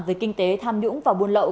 về kinh tế tham nhũng và buôn lậu